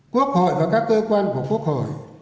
quốc hội và các cơ quan của quốc hội